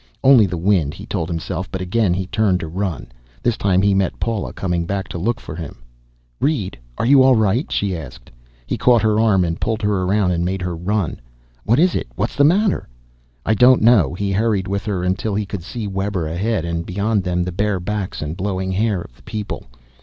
Only the wind, he told himself, but again he turned to run. This time he met Paula, coming back to look for him. "Reed, are you all right?" she asked. He caught her arm and pulled her around and made her run. "What is it? What's the matter?" "I don't know." He hurried with her until he could see Webber ahead, and beyond him the bare backs and blowing hair of the people.